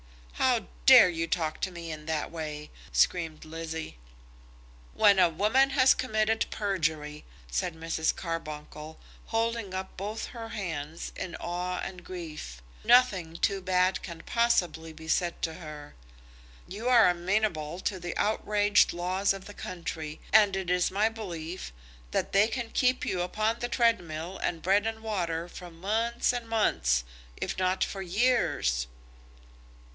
"How dare you talk to me in that way?" screamed Lizzie. "When a woman has committed perjury," said Mrs. Carbuncle, holding up both her hands in awe and grief, "nothing too bad can possibly be said to her. You are amenable to the outraged laws of the country, and it is my belief that they can keep you upon the treadmill and bread and water for months and months, if not for years."